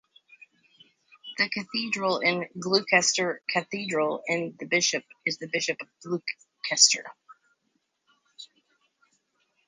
The cathedral is Gloucester Cathedral and the bishop is the Bishop of Gloucester.